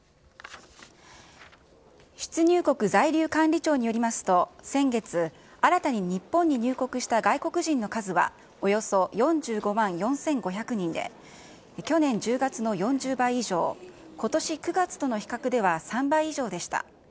出入国在留管理庁によりますと、先月、新たに日本に入国した外国人の数はおよそ４５万４５００人で、去年１０月の４０倍以上、ことし９月との比較では３倍以上でした。